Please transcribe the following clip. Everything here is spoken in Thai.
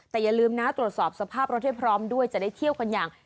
แต่อย่าลืมนะตรวจสอบสภาพรถให้พร้อมด้วยจะได้เที่ยวกันอย่าง